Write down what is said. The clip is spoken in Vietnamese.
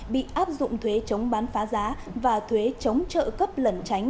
bị áp dụng thuế chống bán phá giá và thuế chống trợ cấp lẩn tránh